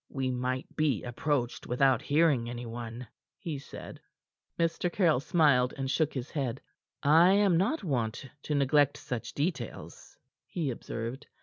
"We might be approached without hearing any one," he said. Mr. Caryll smiled, and shook his head. "I am not wont to neglect such details," he observed.